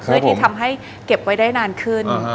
เพื่อที่ทำให้เก็บไว้ได้นานขึ้น